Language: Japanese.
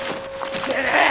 てめえ！